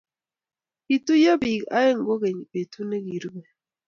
Kituiyo biik aeng kogeny betut negirube